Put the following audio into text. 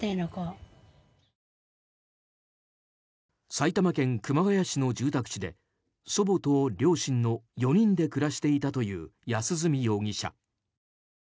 埼玉県熊谷市の住宅地で祖母と両親の４人で暮らしていたという安栖容疑者。